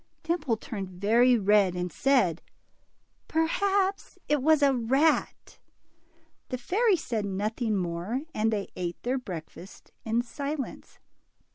Dimple turned very red, and said, Perhaps it was a rat." The fairy said nothing more, and they ate their breakfast in silence.